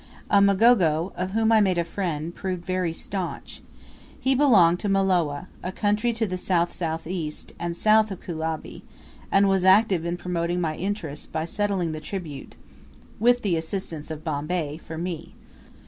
A Mgogo, of whom I made a friend, proved very staunch. He belonged to Mulowa, a country to the S.S.E., and south of Kulabi; and was active in promoting my interests by settling the tribute, with the assistance of Bombay, for me.